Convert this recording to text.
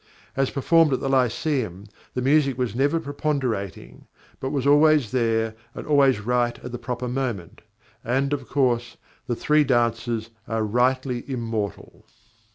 As performed at the Lyceum, the music was never preponderating, but was always there and always right at the proper moment; and, of course, the "Three Dances" are rightly immortal.